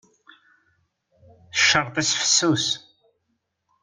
Ccerṭ-is fessus.